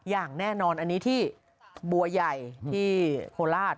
อย่างแน่นอนอันนี้ที่บัวใหญ่ที่โคราช